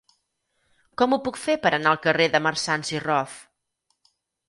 Com ho puc fer per anar al carrer de Marsans i Rof?